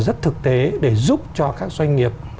rất thực tế để giúp cho các doanh nghiệp